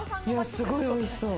すごい、おいしそう！